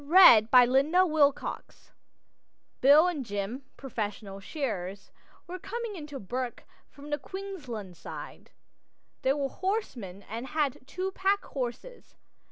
A SKETCH OF MATESHIP Bill and Jim, professional shearers, were coming into Bourke from the Queensland side. They were horsemen and had two packhorses.